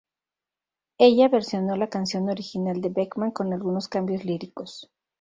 Ella versionó la canción original de Beckham con algunos cambios líricos.